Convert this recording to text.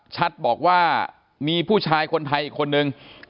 ชัดบอกว่ามีผู้ชายคนไทยคนเดียวนะครับ